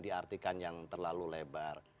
diartikan yang terlalu lebar